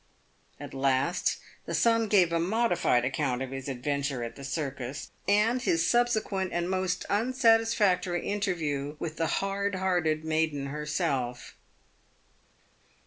At last, the son gave a modified account of his adventure at the circus, and his subsequent and most unsatisfactory interview with the hard hearted maiden herself.